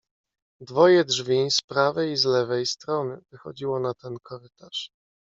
"Dwoje drzwi, z prawej i lewej strony, wychodziło na ten korytarz."